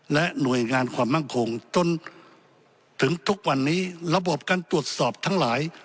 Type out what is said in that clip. และหน่วยงานความมั่นคงจนถึงทุกวันนี้ระบบการตรวจสอบทั้งหลาย